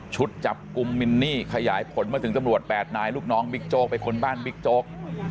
ชุดจับกุมมินนี่ขยายพนมาถึงตำรวจแปดนายลูกน้องบิกโจ๊กไปขนบ้านบิกโจ๊ก